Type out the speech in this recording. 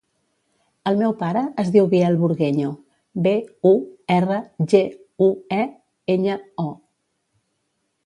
El meu pare es diu Biel Burgueño: be, u, erra, ge, u, e, enya, o.